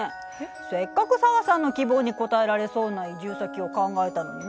せっかく紗和さんの希望に応えられそうな移住先を考えたのにな。